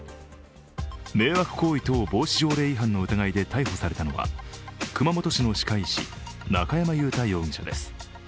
迷惑行為等防止条例違反の疑いで逮捕されたのは熊本市の歯科医師中山雄太容疑者です。